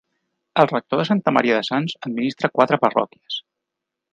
El rector de Santa Maria de Sants administra quatre parròquies.